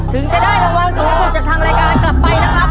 ถึงจะได้รางวัลสูงสุดจากทางรายการกลับไปนะครับ